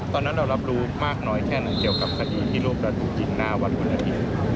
ตอนนั้นเรารับรู้มากน้อยแค่ไหนเกี่ยวกับคดีที่รูประดูกินหน้าวัดวันอาทิตย์